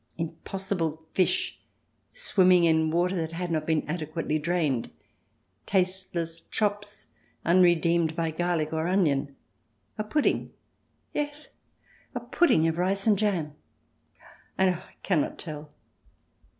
Impossible fish, swimming in water that had not been adequately drained, tasteless chops, unredeemed by garlic or onion, a pudding — yes, a pudding of rice and jam, and — oh, I cannot tell